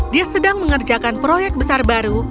dia sedang mengerjakan proyek besar baru